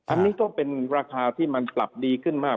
อันนี้ก็เป็นราคาที่มันปรับดีขึ้นมาก